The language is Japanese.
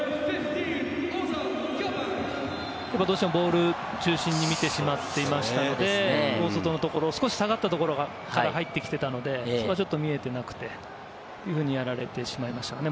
どうしてもボール中心に見てしまっていましたので、大外のところ、少し下がったところから入ってきていたので、見えていなくてやられてしまいましたね。